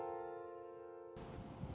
jika sekarang kawasan pantai di blitar selatan